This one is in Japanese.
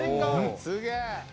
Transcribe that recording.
すげえ。